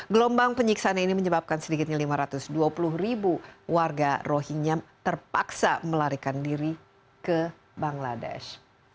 gelombang penyiksaan ini menyebabkan sedikitnya lima ratus dua puluh ribu warga rohingya terpaksa melarikan diri ke bangladesh